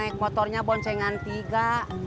kotornya bonsengan tiga